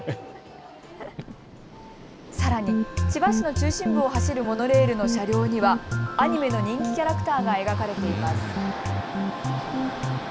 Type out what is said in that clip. さらに千葉市の中心部を走るモノレールの車両にはアニメの人気キャラクターが描かれています。